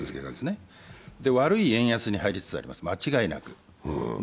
悪い円安に入りつつあります、間違いなく。